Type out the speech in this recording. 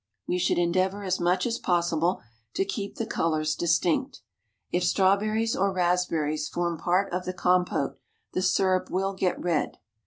We should endeavour as much as possible to keep the colours distinct. If strawberries or raspberries form part of the compote, the syrup will get red.